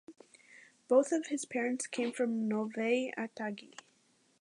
Both of his parents came from Novye Atagi.